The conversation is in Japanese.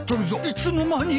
いつの間に！